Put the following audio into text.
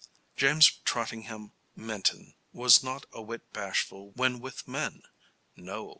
James Trottingham Minton was not a whit bashful when with men. No.